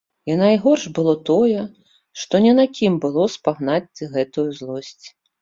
І найгорш было тое, што не на кім было спагнаць гэтую злосць.